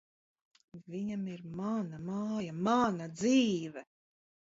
Viņam ir mana māja, mana dzīve.